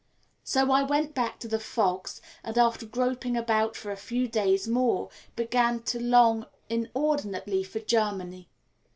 So I went back to the fogs, and after groping about for a few days more began to long inordinately for Germany.